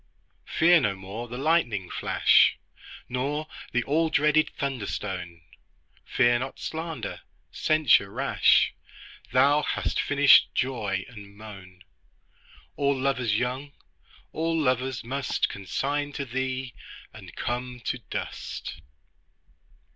Fear no more the lightning flash Nor the all dreaded thunder stone; Fear not slander, censure rash; Thou hast finished joy and moan: All lovers young, all lovers must Consign to thee, and come to dust.